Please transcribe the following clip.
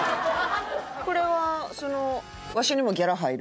これはそのわしにもギャラ入る？